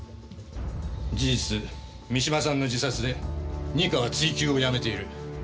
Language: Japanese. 事実三島さんの自殺で二課は追求をやめている。